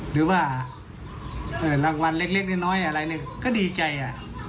หรือว่ารางวัลเล็กน้อยอะไรเนี่ยก็ดีใจ